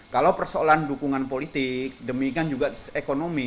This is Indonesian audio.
kalau persoalan dukungan politik demikian juga ekonomi